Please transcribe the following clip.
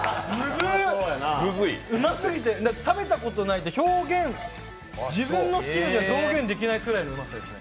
うますぎて、食べたことないって自分の好きでは表現できないくらいのうまさですよ。